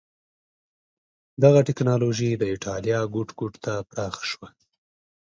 دغه ټکنالوژي د اېټالیا ګوټ ګوټ ته پراخه شوه.